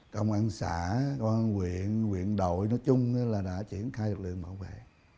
công an xã công an huyện huyện đội nói chung là đã triển khai lực lượng bảo vệ